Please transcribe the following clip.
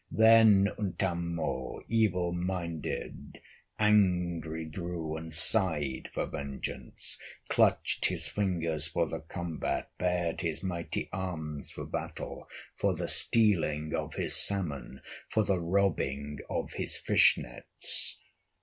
Then Untamo, evil minded, Angry grew and sighed for vengeance, Clutched his fingers for the combat, Bared his mighty arms for battle, For the stealing of his salmon, For the robbing of his fish nets.